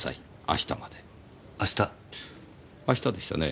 明日でしたね？